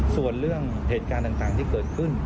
ส่วนเรื่องเหตุการณ์ต่างที่เกิดขึ้น